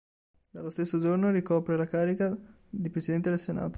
Dallo stesso giorno ricopre la carica di presidente del Senato.